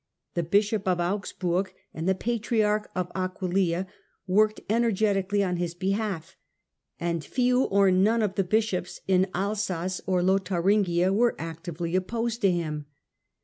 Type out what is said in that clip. '^ The bishop of Augsburg and the patriarch of Aquileia worked energetically on his behalf, and few or none of the bishops in Elsass or Lotharingia were actively opposed to him.